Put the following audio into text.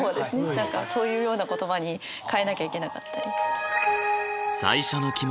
何かそういうような言葉に変えなきゃいけなかったり。